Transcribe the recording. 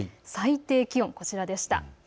最低気温、こちらでした。